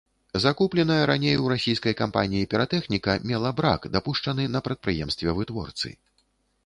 Закупленая раней у расійскай кампаніі піратэхніка мела брак, дапушчаны на прадпрыемстве-вытворцы.